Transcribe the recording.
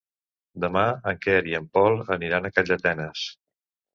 Demà en Quer i en Pol aniran a Calldetenes.